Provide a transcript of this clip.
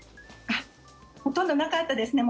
ほとんどなかったですね。